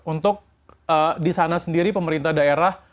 untuk di sana sendiri pemerintah daerah